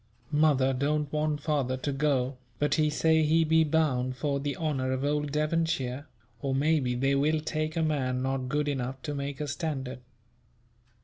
Mother don't want father to go, but he say he be bound for the honour of old Devonshire, or maybe they will take a man not good enough to make a standard.